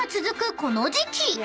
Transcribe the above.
この時季］